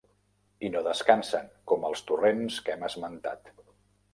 I no descansen, com els torrents que hem esmentat.